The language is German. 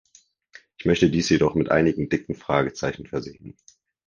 Ich möchte dies jedoch mit einigen dicken Fragezeichen versehen.